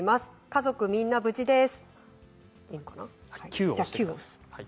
家族みんな無事です。